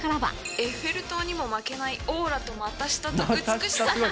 エッフェル塔にも負けないオーラと股下と美しさ。